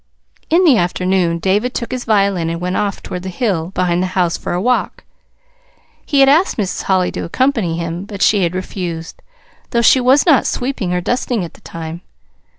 In the afternoon David took his violin and went off toward the hill behind the house for a walk. He had asked Mrs. Holly to accompany him, but she had refused, though she was not sweeping or dusting at the time.